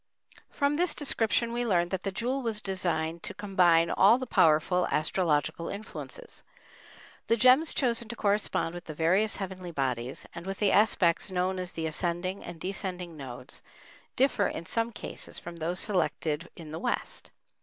From this description we learn that the jewel was designed to combine all the powerful astrological influences. The gems chosen to correspond with the various heavenly bodies, and with the aspects known as the ascending and descending nodes, differ in some cases from those selected in the West.